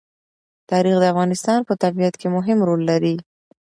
تاریخ د افغانستان په طبیعت کې مهم رول لري.